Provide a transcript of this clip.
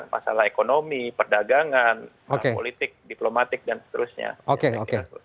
masalah ekonomi perdagangan politik diplomatik dan seterusnya